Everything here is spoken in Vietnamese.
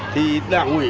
thì đảng ủy